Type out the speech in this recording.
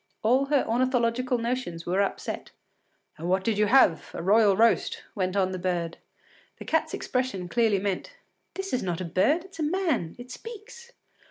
All her ornithological notions were upset. “And what did you have? A royal roast,” went on the bird. The cat’s expression clearly meant: “This is not a bird; it’s a man; it speaks.